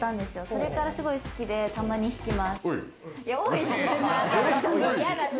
それからすごい好きで、たまに弾きます。